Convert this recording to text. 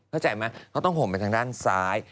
เข้าใจไหมเขาต้องห่มไปทางด้านซ้าย